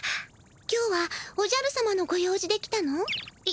今日はおじゃる様のご用事で来たの？え？